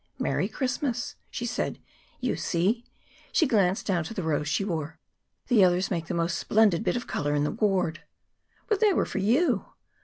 "Merry Christmas!" she said. "You see!" she glanced down to the rose she wore. "The others make the most splendid bit of color in the ward." "But they were for you!"